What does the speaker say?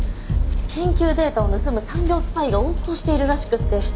研究データを盗む産業スパイが横行しているらしくて。